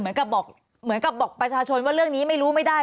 เหมือนกับบอกประชาชนว่าเรื่องนี้ไม่รู้ไม่ได้